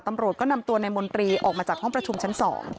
ตำรวจก็นำตัวนายมนตรีออกมาจากห้องประชุมชั้น๒